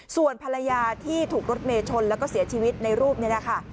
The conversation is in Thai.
ส่วนภรรยาที่ถูกรถเมย์ชนแล้วก็เสียชีวิตในรูปนี้นะคะ